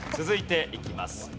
続いていきます。